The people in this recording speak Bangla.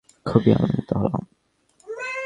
খুবই আনন্দিত হলাম।